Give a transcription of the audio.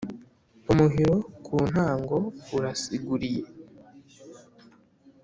Umuhiro ku ntango uraziguriye.